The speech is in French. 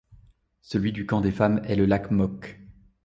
Celui du camp des femmes est le lac Moke.